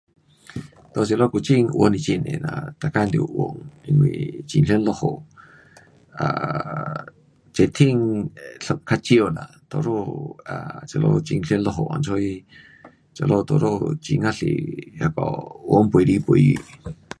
在这里古晋云是很多啦，每天都有云，因为很常下雨，um 热天会较少啦，多数啊这里很常下雨，因此是这里很呀多云飞来飞去。